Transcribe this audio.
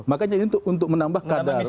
makanya ini untuk menambah kadar